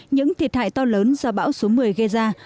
những thiệt hại to lớn do bão số một mươi gây ra